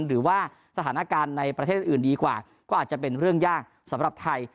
หรือว่าสถานการณ์ในประเทศอื่นดีกว่าก็อาจจะเป็นเรื่องยากสำหรับไทย